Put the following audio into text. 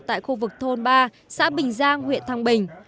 tại khu vực thôn ba xã bình giang huyện thăng bình